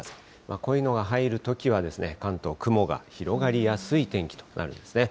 こういうのが入るときは、関東、雲が広がりやすい天気となるんですね。